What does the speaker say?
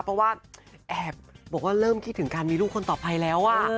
เพราะว่าแอบบอกว่าเริ่มคิดถึงการมีลูกคนต่อไปแล้ว